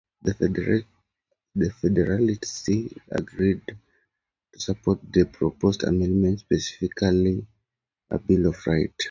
The Federalists agreed to support the proposed amendments, specifically a bill of rights.